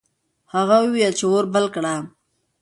هغه وویل چې اور بل کړه.